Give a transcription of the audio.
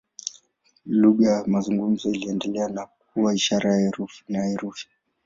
Lugha ya mazungumzo iliendelea na kuwa ishara na herufi.